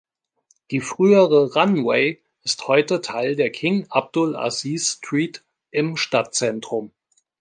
Die frühere "Runway" ist heute Teil der King Abdul Aziz Street im Stadtzentrum.